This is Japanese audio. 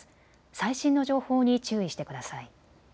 最新の情報に注意してください。